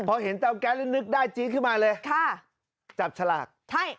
พอเห็นเตาแก๊สแล้วนึกได้จี๊ดขึ้นมาเลยค่ะจับฉลากใช่